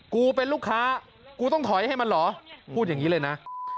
กูเป็นลูกค้ากูต้องถอยให้มันเหรอพูดอย่างนี้เลยนะ